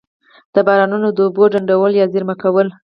د بارانونو د اوبو ډنډول یا زیرمه کول.